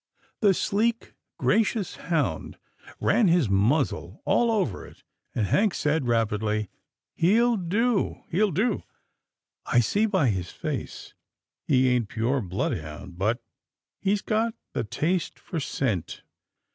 The sleek, gracious hound ran his muzzle all over it, and Hank said rapidly, " He'll do — he'll do. I see by his face. He ain't pure bloodhound, but he's got the taste for scent.